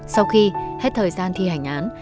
sau khi hết thời gian thi hành án